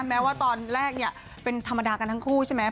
แม้ว่าตอนแรกเนี่ยเป็นธรรมดากันทั้งคู่ใช่ไหม